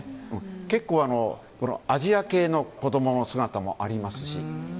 結構、アジア系の子供の姿もありますし。